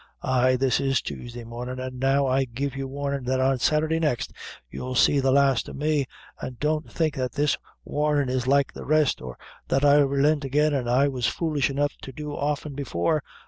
Ay, this is Tuesday mornin', an' I now give you warnin' that on Saturday next, you'll see the last o' me an' don't think that this warnin' is like the rest, or that I'll relint again, as I was foolish enough to do often before.